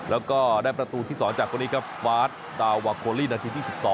แล้วก็ได้ประตูที่สองจากอันนี้ครับ